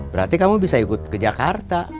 berarti kamu bisa ikut ke jakarta